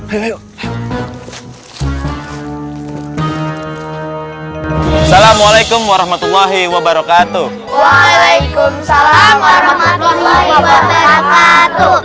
assalamualaikum warahmatullahi wabarakatuh waalaikumsalam warahmatullahi wabarakatuh